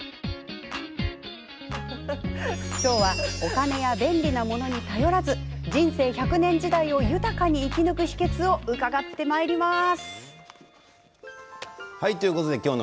今日はお金や便利なものに頼らず人生１００年時代を豊かに生き抜く秘けつを伺います。